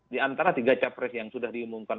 di antara tiga capres yang sudah diumumkan